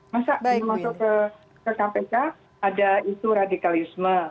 masa masuk ke kpk ada isu radikalisme